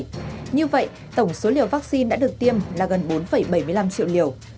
như vậy tổng số liều vaccine đã được tiêm là gần bốn bảy mươi năm triệu liều